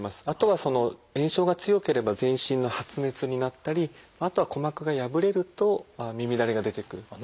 あとは炎症が強ければ全身の発熱になったりあとは鼓膜が破れると耳だれが出てくる。